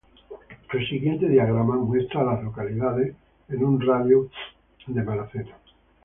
El siguiente diagrama muestra a las localidades en un radio de de Newton Grove.